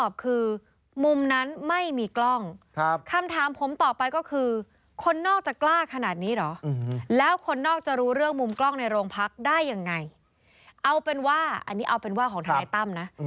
เอาเป็นว่าอันนี้เอาเป็นว่าของทนายตั้มนะ